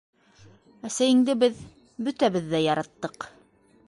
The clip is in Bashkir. Әсәйенде беҙ... бөтәбеҙ ҙә яраттыҡ.